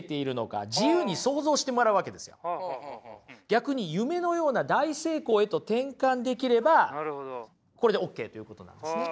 逆に夢のような大成功へと転換できればこれでオッケーということなんですね。